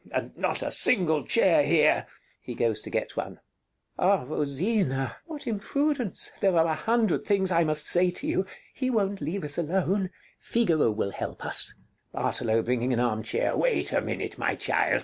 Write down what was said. And not a single chair here! [He goes to get one.] Count Ah, Rosina! Rosina What imprudence! Count There are a hundred things I must say to you. Rosina He won't leave us alone. Count Figaro will help us. Bartolo [bringing an arm chair] Wait a minute, my child.